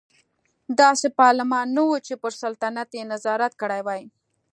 داسې پارلمان نه و چې پر سلطنت یې نظارت کړی وای.